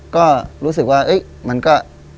ก็รู้สึกว่ามันก็